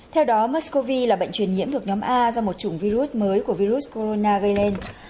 theo đó mexcov là bệnh truyền nhiễm thuộc nhóm a do một chủng virus mới của virus corona gây lên